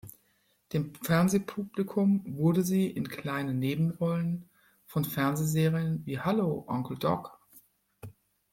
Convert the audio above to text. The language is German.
Dem Fernsehpublikum wurde sie in kleinen Nebenrollen von Fernsehserien wie "Hallo, Onkel Doc!